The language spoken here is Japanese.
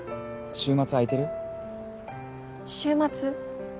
週末？